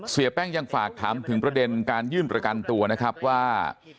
เสียแป้งยังฝากถามถึงประเด็นการยื่นประกันตัวนะครับว่า